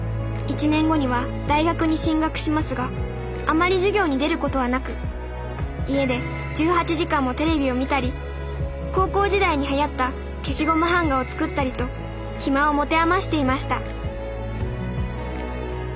１年後には大学に進学しますがあまり授業に出ることはなく家で１８時間もテレビを見たり高校時代にはやった消しゴム版画を作ったりと暇を持て余していました